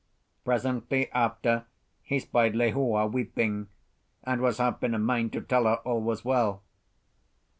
Presently after he spied Lehua weeping, and was half in a mind to tell her all was well.